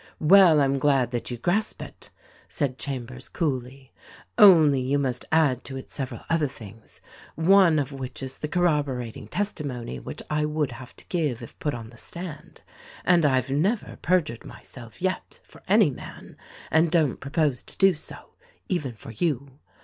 "Well, I'm glad that you grasp it," said Chambers coolly, "only, you must add to it several other things, one of which is the corroborating testimony which I would have to give if put on the stand — and I've never perjured myself yet for any man, and don't propose to do so — even for you.